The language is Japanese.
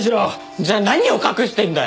じゃあ何を隠してるんだよ！